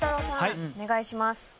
さんお願いします。